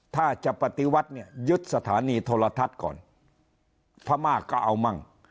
ถ้าจะปฏิวัติเนี่ยยึดสถานีโทรทัศน์ก่อนพม่าก็เอามั่ง